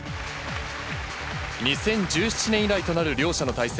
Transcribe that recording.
２０１７年以来となる両者の対戦。